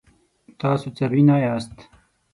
تاسي څاروي نه یاست.